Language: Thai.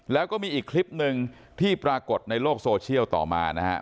แล้วก็มีอีกคลิปหนึ่งที่ปรากฏในโลกโซเชียลต่อมานะครับ